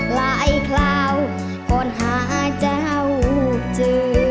คราวก่อนหาเจ้าเจอ